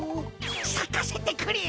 さかせてくれ！